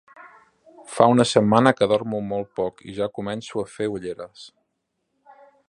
Fa una setmana que dormo molt poc i ja començo a fer ulleres.